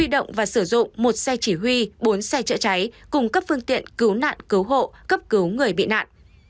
dụng một xe chỉ huy bốn xe chữa cháy cùng cấp phương tiện cứu nạn cứu hộ cấp cứu người bị nạn